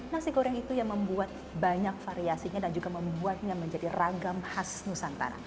nasi goreng itu yang membuat banyak variasinya dan juga membuatnya menjadi ragam khas nusantara